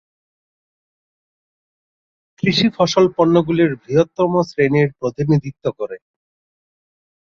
কৃষি ফসল পণ্যগুলির বৃহত্তম শ্রেণীর প্রতিনিধিত্ব করে।